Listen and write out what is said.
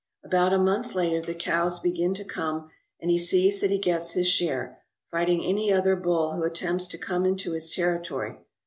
About a month later the cows begin to come, and he sees that he gets his share, fighting any other bull who attempts to come into his territory.